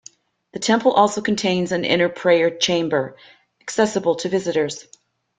The temple also contains an inner prayer chamber, accessible to visitors.